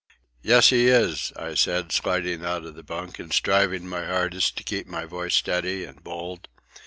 "Yes, he is," I said, sliding out of the bunk and striving my hardest to keep my voice steady and bold.